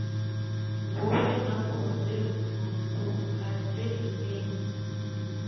Wowe nakunze uruhatse izindi